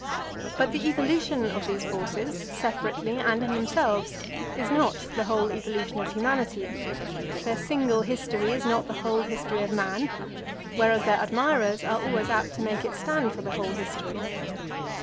But the evolution of these forces, separately and in themselves, is not the whole evolution of humanity, their single history is not the whole history of man; whereas their admirers are always apt to make it stand for the whole history.